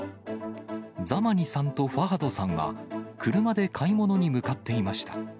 ザマニさんとファハドさんが車で買い物に向かっていました。